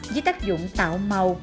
với tác dụng tạo màu